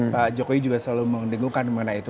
pak jokowi juga selalu mendengungkan mengenai itu